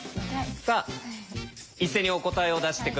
さあ一斉にお答えを出して下さい。